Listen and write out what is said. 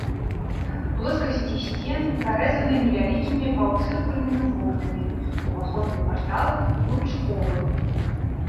Плоскасці сцен прарэзаныя невялікімі паўцыркульнымі вокнамі, уваходны партал лучковы.